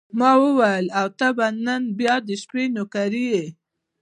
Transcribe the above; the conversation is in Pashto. ما وویل: او ته به نن بیا د شپې نوکري یې.